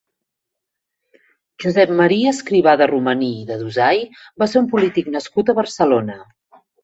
Josep Maria Escrivà de Romaní i de Dusai va ser un polític nascut a Barcelona.